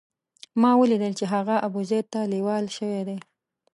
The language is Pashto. ما ولیدل چې هغه ابوزید ته لېوال شوی دی.